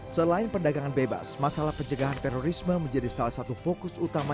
selain perdagangan bebas masalah pencegahan terorisme menjadi salah satu fokus utama